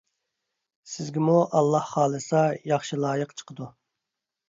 سىزگىمۇ ئاللاھ خالىسا ياخشى لايىق چىقىدۇ.